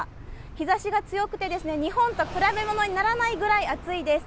日ざしが強くて日本と比べ物にならないぐらい暑いです。